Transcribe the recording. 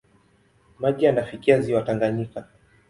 Maji yanafikia ziwa Tanganyika.